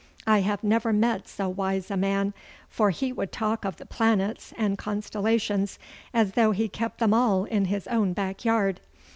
I have never met so wise a man, for he would talk of the planets and constellations as though he kept them all in his own backyard.